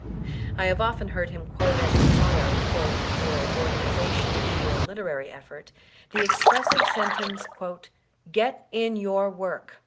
I have often heard him quote as his motto, both for Ofiganization and for literary effort, the expressive sen tence : "Get in your work."